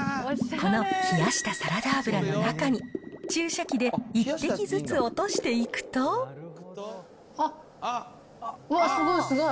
この冷やしたサラダ油の中に、注射器で１滴ずつ落としていくあっ、うわっ、すごい、すごい。